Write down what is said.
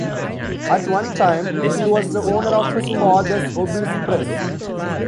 At one time he was the owner of his father's Obelisk Press.